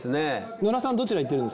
野田さん